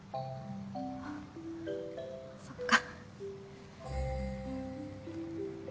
あそっか